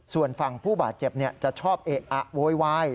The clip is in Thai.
ส่วนฝั่งผู้บาดเจ็บจะชอบเอะอะโวยวาย